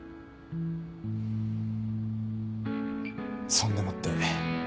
そんでもって。